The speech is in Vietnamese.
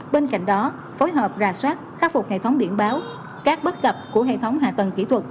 bên cạnh đó phối hợp rà soát khắc phục hệ thống điện báo các bất cập của hệ thống hạ tầng kỹ thuật